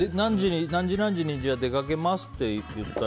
何時何時に出かけますって言ったら。